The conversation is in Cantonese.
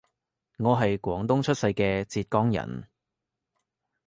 我係廣東出世嘅浙江人